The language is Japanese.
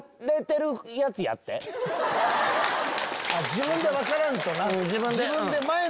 自分で分からんとな。